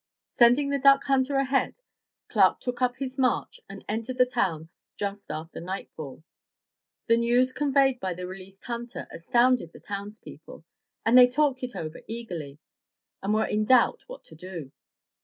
Sending the duck hunter ahead, Clark took up his march and entered the town just after night fall. The news conveyed by the released hunter astounded the townspeople, and they talked it over eagerly, and were in doubt what to do.